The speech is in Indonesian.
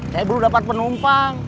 saya belum dapat penumpang